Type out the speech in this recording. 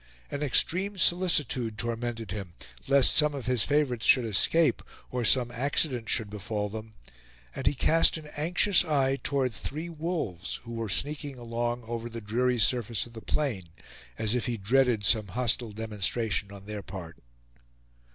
An extreme solicitude tormented him, lest some of his favorites should escape, or some accident should befall them; and he cast an anxious eye toward three wolves who were sneaking along over the dreary surface of the plain, as if he dreaded some hostile demonstration on their part.